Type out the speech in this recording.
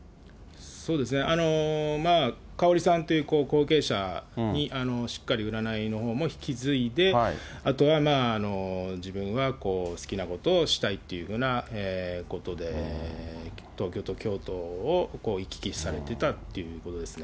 そうですね、かおりさんっていう後継者にしっかり占いのほうも引き継いで、あとは自分は好きなことをしたいというふうなことで、東京と京都を行き来されてたっていうことですね。